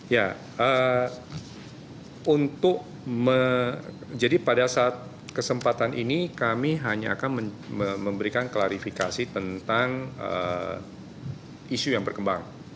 ya untuk jadi pada saat kesempatan ini kami hanya akan memberikan klarifikasi tentang isu yang berkembang